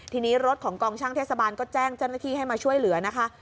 ทีนี้รถของกองช่างเทศบาลก็แจ้งเจ้าหน้าที่ให้มาช่วยเหลือนะคะ